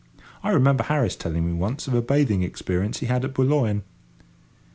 I remember Harris telling me once of a bathing experience he had at Boulogne.